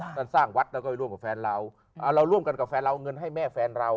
ท่านสร้างวัดแล้วก็ไปร่วมกับแฟนเราเราร่วมกันกับแฟนเราเอาเงินให้แม่แฟนเรา